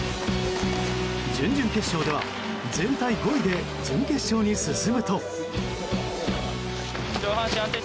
準々決勝では全体５位で準決勝に進むと。